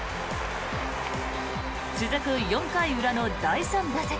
続く４回裏の第３打席。